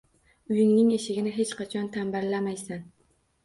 Uyingning eshigini hech qachon tambalamaysan